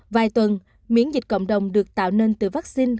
vài tuần miễn dịch cộng đồng được tạo nên từ vaccine